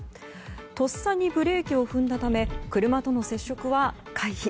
とっさにブレーキを踏んだため車との接触は回避。